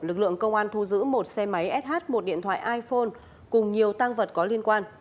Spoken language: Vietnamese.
lực lượng công an thu giữ một xe máy sh một điện thoại iphone cùng nhiều tăng vật có liên quan